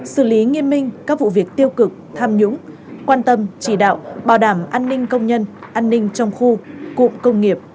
xử lý nghiêm minh các vụ việc tiêu cực tham nhũng quan tâm chỉ đạo bảo đảm an ninh công nhân an ninh trong khu cụm công nghiệp